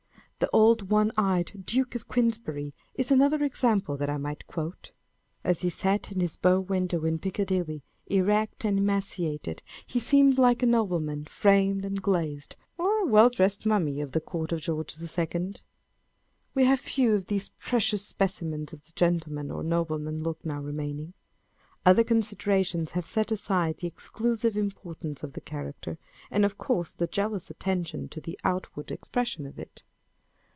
The old one eyed Duke of Queensbury is another example that T might quote. As he sat in his bow window in Piccadilly, erect and emaciated, he seemed like a noble man framed and glazed, or a well dressed mummy of the court of George II. We have few of these precious specimens of the gentle man or nobleman look now remaining ; other considera tions have set aside the exclusive importance of the character, and of course, the jealous attention to the outward expression of it.